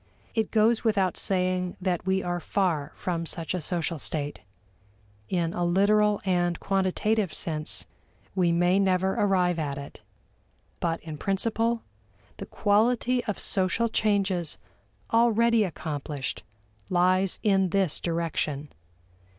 It goes without saying that we are far from such a social state; in a literal and quantitative sense, we may never arrive at it. But in principle, the quality of social changes already accomplished lies in this direction.